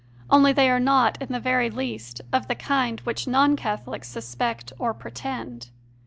Only they are not, in the very least, of the kind which non Catholics suspect or pretend.